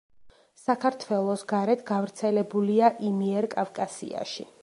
საქართველოს გარეთ გავრცელებულია იმიერკავკასიაში.